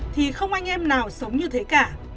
thì không anh em nào sống như thế cả